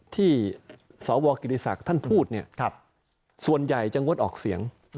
ที่สวกิติศักดิ์ท่านพูดเนี่ยส่วนใหญ่จะงดออกเสียง